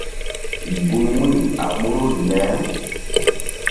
Gun wu̧y a ɓoruri le.